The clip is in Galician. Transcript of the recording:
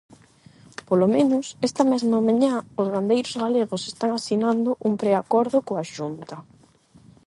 Polo menos, esta mesma mañá os gandeiros galegos están asinando un preacordo coa Xunta.